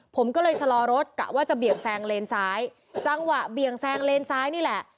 ผมก็เลยชะลอรถกะว่าจะเบี่ยงแซงเลนซ้ายจังหวะเบี่ยงแซงเลนซ้ายนี่แหละ